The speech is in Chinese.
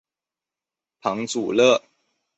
庞祖勒。